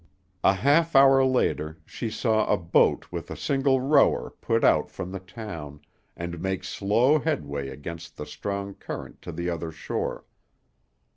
A half hour later she saw a boat with a single rower put out from the town, and make slow headway against the strong current to the other shore.